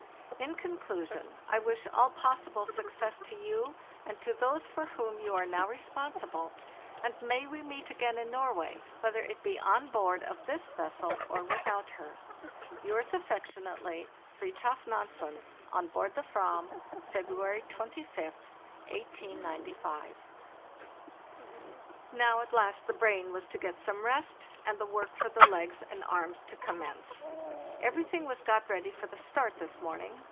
"In conclusion, I wish all possible success to you, and to those for whom you are now responsible, and may we meet again in Norway, whether it be on board of this vessel or without her. "Yours affectionately, " FrrpTJOF NANSEN. "On board the /vam, "February 25, 1805. " Now at last the brain was to get some rest, and the work for the legs and arms to commence. Everything was got ready for the start this morning.